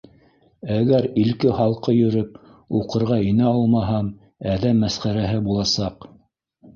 Әгәр илке-һалҡы йөрөп, уҡырға инә алмаһам, әҙәм мәсхәрәһе буласаҡ.